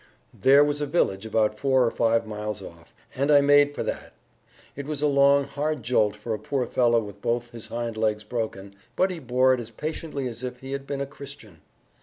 There was a village about four or five miles off, and I made for that. It was a long, hard jolt for a poor fellow with both his hindlegs broken, but he bore it as patiently as if he had been a Christian.